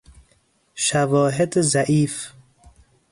شواهد ضعیف